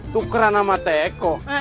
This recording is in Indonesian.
tukeran sama teko